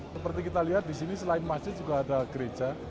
seperti kita lihat di sini selain masjid juga ada gereja